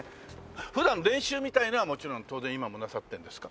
普段練習みたいなのはもちろん当然今もなさってるんですか？